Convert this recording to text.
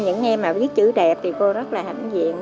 những em mà viết chữ đẹp thì cô rất là hãnh diện